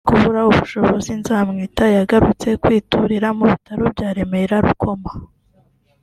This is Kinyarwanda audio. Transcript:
Amaze kubura ubushobozi Nzamwita yagarutse kwiturira mu bitaro bya Remera Rukoma